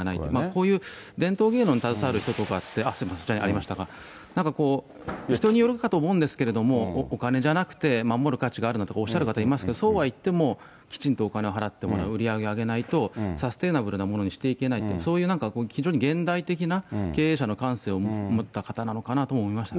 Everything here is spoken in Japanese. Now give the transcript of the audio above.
こういう伝統芸能に携わる方って、なんかこう、人によるかと思うんですけども、お金じゃなくて、守る価値があるとかおっしゃる方がいますが、そうは言っても、きちんとお金を払ってもらう、売り上げ上げないと、サスティナブルなものにしていけない、そういうなんか、非常に現代的に経営者の感性を持った方なのかなと思いましたね。